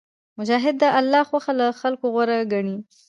مجاهد د الله خوښه له خلکو غوره ګڼي.